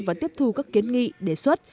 và tiếp thu các kiến nghị đề xuất